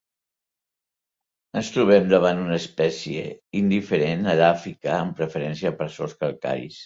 Ens trobem davant una espècie indiferent edàfica, amb preferència per sòls calcaris.